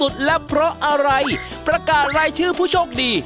ยายทางนี้